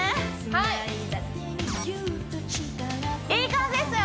いい感じですよ